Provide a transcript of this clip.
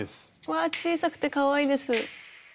わあ小さくてかわいいです。